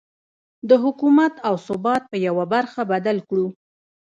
د حکومت او ثبات په يوه برخه بدل کړو.